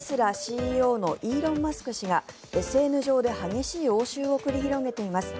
トランプ前大統領とテスラＣＥＯのイーロン・マスク氏がＳＮＳ上で激しい応酬を繰り広げています。